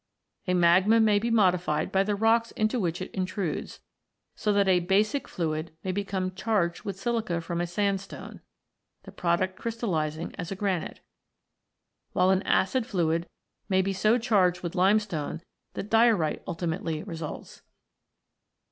A magma may be modified by the rocks into which it intrudes, so that a "basic" fluid may become charged with silica from a sandstone, the product crystallising as a granite ; while an "acid" fluid may become so charged with limestone that diorite ultimately results.